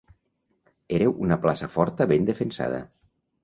Era una plaça forta ben defensada.